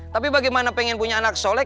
tapi bagaimana pengen punya anak soleh